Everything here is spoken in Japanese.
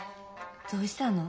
どうしたの？